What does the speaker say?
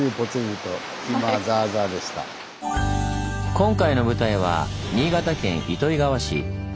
今回の舞台は新潟県糸魚川市。